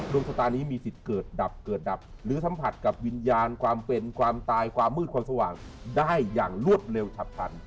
ชะตานี้มีสิทธิ์เกิดดับเกิดดับหรือสัมผัสกับวิญญาณความเป็นความตายความมืดความสว่างได้อย่างรวดเร็วฉับพัน